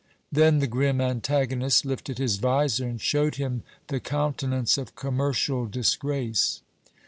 Then the grim antagonist lifted his visor, and showed him the countenance of Commercial Disgrace.